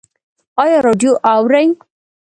ایا راډیو اورئ؟